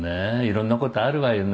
色んな事あるわよね」